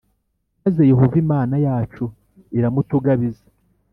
maze Yehova Imana yacu iramutugabiza,